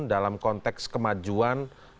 dalam konteks kemajuan progres